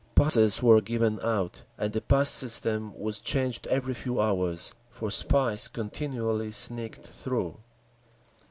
Passes were given out, and the pass system was changed every few hours; for spies continually sneaked through….